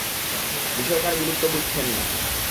বিষয়টার গুরুত্ব বুঝছেন না।